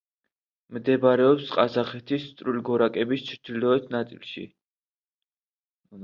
მდებარეობს ყაზახეთის წვრილგორაკების ჩრდილოეთ ნაწილში.